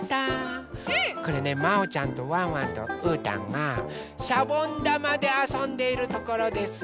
これねまおちゃんとワンワンとうーたんがしゃぼんだまであそんでいるところです！